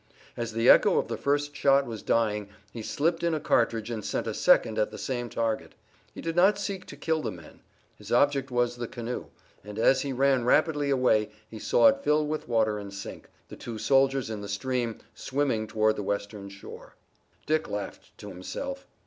As the echo of the first shot was dying he slipped in a cartridge and sent a second at the same target. He did not seek to kill the men, his object was the canoe, and as he ran rapidly away he saw it fill with water and sink, the two soldiers in the stream swimming toward the western shore. Dick laughed to himself.